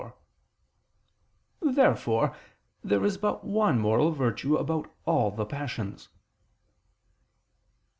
Therefore there is but one moral virtue about all the passions.